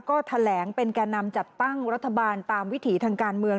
ก็แถลงเป็นแก่นำจัดตั้งรัฐบาลตามวิถีทางการเมือง